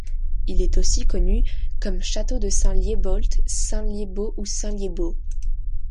Il est aussi connu comme château de Saint-Liébault, st-Liébaud ou st-Lyébaud.